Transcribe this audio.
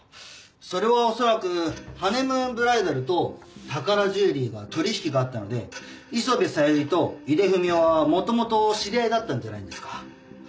それはおそらくハネムーンブライダルと宝ジュエリーが取引があったので磯部小百合と井出文雄は元々知り合いだったんじゃないんですか？